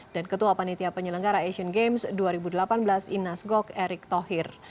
dan ketua panitia penyelenggara asian games dua ribu delapan belas inas gok erik thohir